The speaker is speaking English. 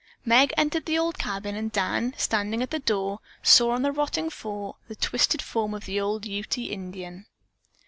Meg entered the old cabin and Dan, standing at the door, saw on the rotting floor the twisted form of the old Ute Indian.